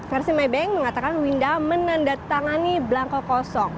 versi maybank mengatakan winda menandatangani belangko kosong